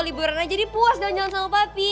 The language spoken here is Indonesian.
liburan aja dia puas dalam jalan sama papi